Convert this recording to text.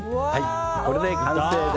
これで完成です。